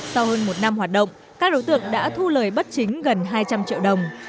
sau hơn một năm hoạt động các đối tượng đã thu lời bất chính gần hai trăm linh triệu đồng